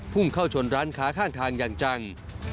พุ่งเข้าชนร้านค้าข้างทางอย่างจัง